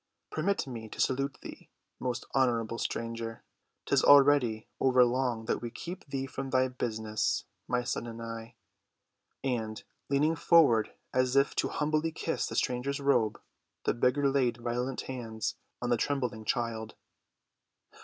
Permit me to salute thee, most honorable stranger, 'tis already over long that we keep thee from thy business—my son and I." And, leaning forward as if to humbly kiss the stranger's robe, the beggar laid violent hands on the trembling child.